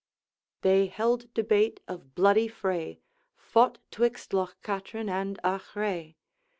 'They held debate of bloody fray, Fought 'twixt Loch Katrine and Achray.